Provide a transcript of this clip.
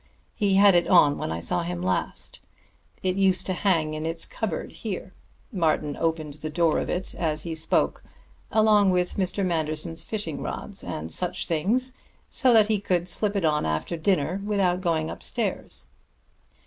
He had it on when I saw him last. It used to hang in this cupboard here" Martin opened the door of it as he spoke "along with Mr. Manderson's fishing rods and such things, so that he could slip it on after dinner without going upstairs."